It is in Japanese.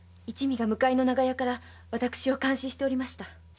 一味が向かいの長屋から私を監視しておりました。